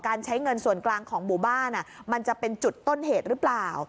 ใช้เงินส่วนกลางของหมู่บ้านมันจะเป็นจุดต้นเหตุหรือเปล่า